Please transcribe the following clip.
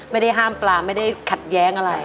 ไม่ได้ห้ามปลาไม่ได้ขัดแย้งอะไร